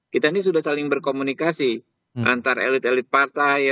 kita ini sudah saling berkomunikasi antara elit elit partai